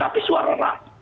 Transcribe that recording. tapi suara rap